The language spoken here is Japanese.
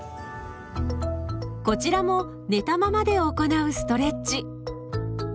こちらも寝たままで行うストレッチ。